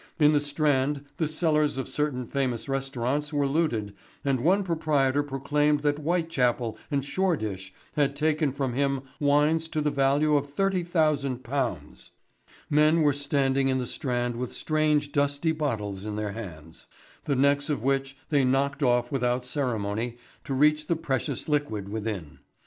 In the Strand the cellars of certain famous restaurants were looted and one proprietor proclaimed that Whitechapel and Shoreditch had taken from him wines to the value of £30,000. Men were standing in the Strand with strange dusty bottles in their hands, the necks of which they knocked off without ceremony to reach the precious liquid within.